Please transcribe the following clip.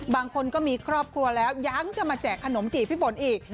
บางคนก็มีครอบครัวแล้วยังจะมาแจกขนมจีบพี่ฝนอีก